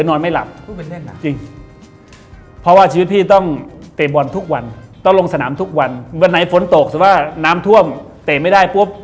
น้ำท่วมเตะไม่ได้ปุ๊บ